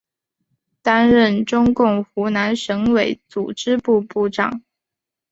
担任中共湖南省委组织部部长。